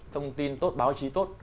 thông tin tốt báo chí tốt